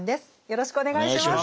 よろしくお願いします。